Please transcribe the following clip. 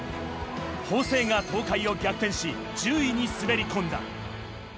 法政が東海を逆転し、１０位に滑り込んだ。